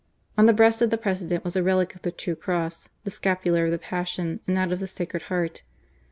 On the breast of the President was a reUc of the True Cross, the scapular of the Passion, and that of the Sacred Heart.